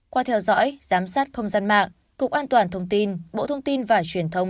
qua theo dõi giám sát không gian mạng cục an toàn thông tin bộ thông tin và truyền thông